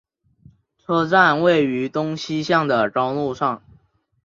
车站位于东西向的高路上。